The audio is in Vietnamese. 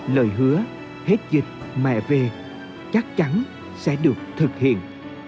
lời hứa hết dịch mẹ về chắc chắn sẽ được thực hiện